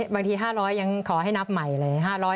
๕๐๐ยังขอให้นับใหม่เลย